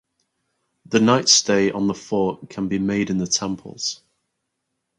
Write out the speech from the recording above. The night stay on the fort can be made in the temples.